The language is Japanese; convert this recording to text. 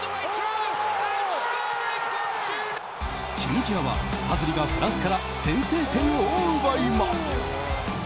チュニジアは、ハズリがフランスから先制点を奪います。